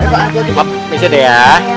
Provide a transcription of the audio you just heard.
bisa deh ya